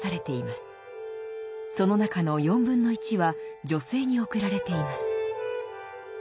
その中の４分の１は女性に送られています。